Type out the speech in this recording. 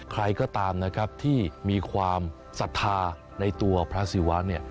ใครก็ตามนะครับที่มีความศรัทธาในตัวพระศิวะเนี่ย